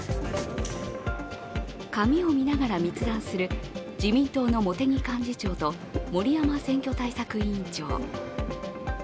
紙を見ながら密談する自民党の茂木幹事長と森山選挙対策委員長。